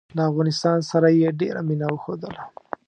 له افغانستان سره یې ډېره مینه وښودله.